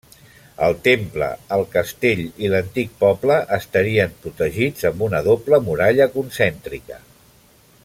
El temple, el castell i l'antic poble estarien protegits amb una doble muralla concèntrica.